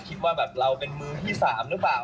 คิดว่าแบบเราเป็นมือที่๓หรือเปล่า